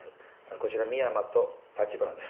こちら深山と立花です